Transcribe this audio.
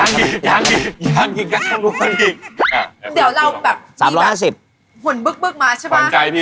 ยังยังยังกินก้าวร้อยอ่ะเดี๋ยวเราแบบ๓๕๐ห่วนบึ๊กบึ๊กมาใช่ปะ